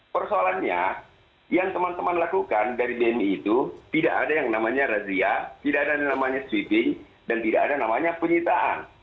persoalannya yang teman teman lakukan dari bmi itu tidak ada yang namanya razia tidak ada yang namanya sweeping dan tidak ada namanya penyitaan